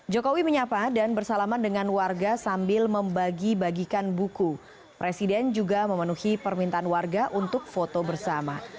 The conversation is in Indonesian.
jokowi menyapa dan bersalaman dengan warga sambil membagi bagikan buku presiden juga memenuhi permintaan warga untuk foto bersama